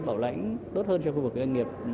bảo lãnh tốt hơn cho khu vực doanh nghiệp